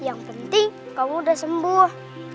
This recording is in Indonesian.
yang penting kamu udah sembuh